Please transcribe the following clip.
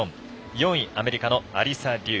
４位、アメリカのアリサ・リュウ。